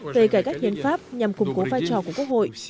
về cải cách hiến pháp nhằm củng cố vai trò của quốc hội